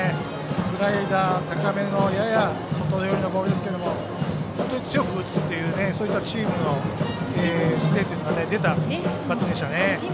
スライダー高めのやや外寄りのボールですけど本当に強く打つというそういったチームの姿勢が出たバッティングでしたね。